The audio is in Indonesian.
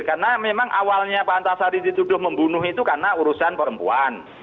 karena memang awalnya pak antasari dituduh membunuh itu karena urusan perempuan